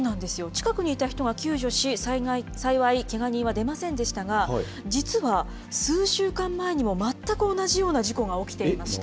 近くにいた人が救助し、幸いけが人は出ませんでしたが、実は、数週間前にも全く同じような事故が起きていました。